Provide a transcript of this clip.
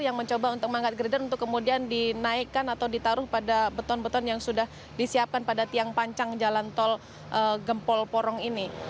yang mencoba untuk mengangkat grider untuk kemudian dinaikkan atau ditaruh pada beton beton yang sudah disiapkan pada tiang pancang jalan tol gempol porong ini